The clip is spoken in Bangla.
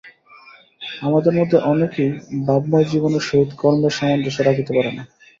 আমাদের মধ্যে অনেকেই ভাবময় জীবনের সহিত কর্মের সামঞ্জস্য রাখিতে পারে না।